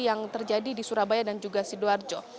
yang terjadi di surabaya dan juga sidoarjo